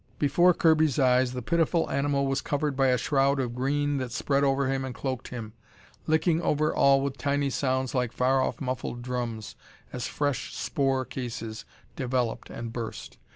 Before Kirby's eyes, the pitiful animal was covered by a shroud of green that spread over him and cloaked him, licking over all with tiny sounds like far off muffled drums as fresh spore cases developed and burst.